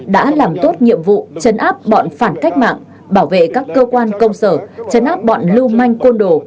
đã làm tốt nhiệm vụ chấn áp bọn phản cách mạng bảo vệ các cơ quan công sở chấn áp bọn lưu manh côn đồ